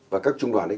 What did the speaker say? và các trung đoàn ấy